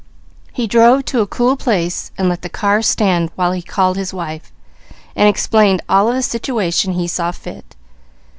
He drove to a cool place, and let the car stand while he called his wife, and explained all of the situation he saw fit.